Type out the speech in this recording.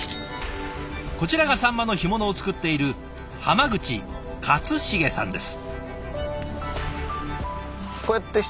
こちらがサンマの干物を作っている浜口克茂さんです。